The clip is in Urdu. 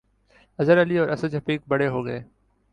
اظہر علی اور اسد شفیق 'بڑے' ہو گئے